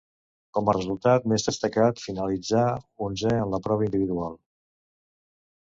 Com a resultat més destacat finalitzà onzè en la prova individual.